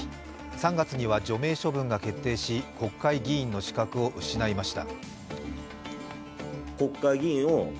３月には除名処分が決定し、国会議員の資格を失いました。